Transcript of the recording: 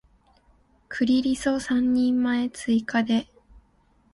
クリリソ三人前追加で